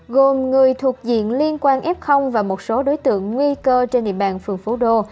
gồm người thuộc diện liên quan f và một số đối tượng nguy cơ trên địa bàn phường phố đô